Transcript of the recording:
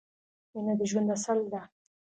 مینه د ژوند اصل ده